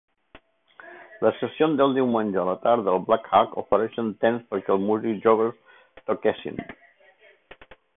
Les sessions del diumenge a la tarda al Black Hawk oferien temps perquè els músics joves toquessin.